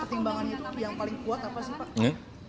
pertimbangan itu yang paling kuat apa sih pak